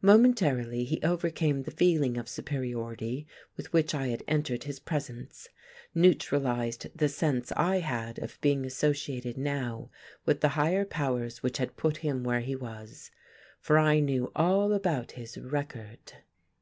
Momentarily he overcame the feeling of superiority with which I had entered his presence; neutralized the sense I had of being associated now with the higher powers which had put him where he was. For I knew all about his "record."